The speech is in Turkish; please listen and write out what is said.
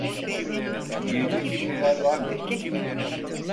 Yiyecek bir şeyler var mı?